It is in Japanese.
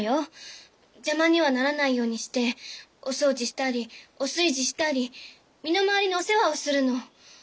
邪魔にはならないようにしてお掃除したりお炊事したり身の回りのお世話をするの。